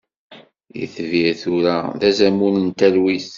Itbir tura ur d azamul n talwit.